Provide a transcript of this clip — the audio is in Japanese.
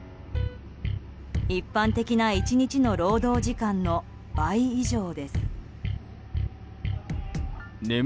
一般的な１日の労働時間の倍以上です。